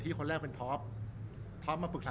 รูปนั้นผมก็เป็นคนถ่ายเองเคลียร์กับเรา